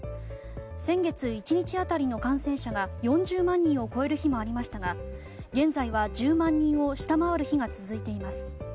先月、１日当たりの感染者が４０万人を超える日もありましたが現在は１０万人を下回る日が続いています。